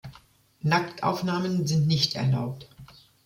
Nacktaufnahmen sind nicht erlaubt.